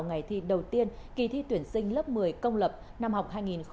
ngày thi đầu tiên kỳ thi tuyển sinh lớp một mươi công lập năm học hai nghìn hai mươi hai nghìn hai mươi